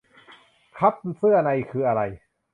คัพเสื้อในคืออะไร